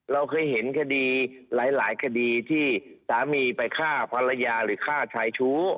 เราเคยเห็นคดีหลายคดีที่สามีไปฆ่าภรรยาหรือฆ่าชายชู้